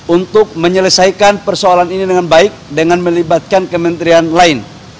untuk menyelesaikan persoalan ini dengan baik dengan melibatkan kementerian lain